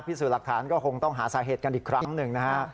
พิสูจน์หลักฐานก็คงต้องหาสาเหตุกันอีกครั้งหนึ่งนะฮะ